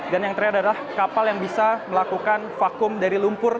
dan yang ketiga adalah kapal yang bisa melakukan vakum dari lumpur